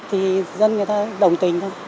thì dân người ta đồng tình thôi